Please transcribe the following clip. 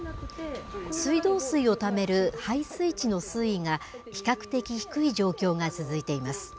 水道水をためる配水池の水位が比較的低い状況が続いています。